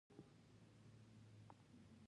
په دوهمه هجري پېړۍ کې عیار هغه چا ته ویل کېده.